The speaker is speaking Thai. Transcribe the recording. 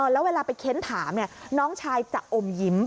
แล้วเวลาไปเค้นถามน้องชายจะอมยิ้ม